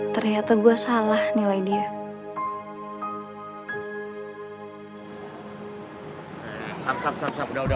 ternyata gue salah nilai dia